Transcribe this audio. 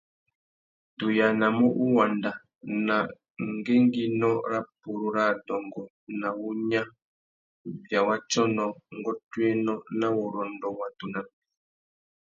Tu yānamú uwanda nà ngüéngüinô râ purú râ adôngô nà wunya, wubia wa tsônô, ngôtōénô na wurrôndô watu nà mpí.